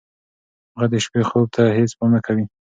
هغه د شپې خوب ته هېڅ پام نه کوي.